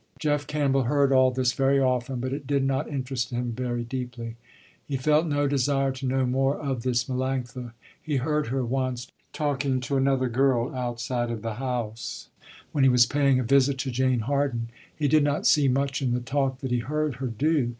Jeff Campbell heard all this very often, but it did not interest him very deeply. He felt no desire to know more of this Melanctha. He heard her, once, talking to another girl outside of the house, when he was paying a visit to Jane Harden. He did not see much in the talk that he heard her do.